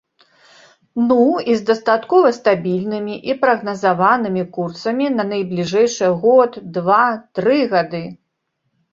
Ну, і з дастаткова стабільнымі і прагназаванымі курсамі на найбліжэйшыя год, два, тры гады.